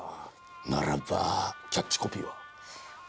ならばキャッチコピーは？